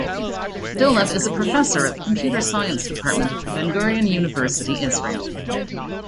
Dolev is a professor at the Computer Science Department of the Ben-Gurion University, Israel.